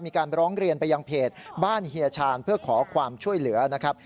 มีการร้องเรียนไปยังเพจบ้านเฮียชาญเพื่อขอความช่วยเหลือนะครับ